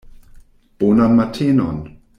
Bonan matenon.